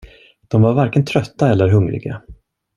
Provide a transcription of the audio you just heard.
De var varken trötta eller hungriga.